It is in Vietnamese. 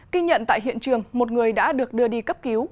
kinh nhận tại hiện trường một người đã được đưa đi cấp cứu